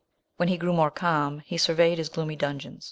When he grew more calm, he sur veyed his gloomy dungeon.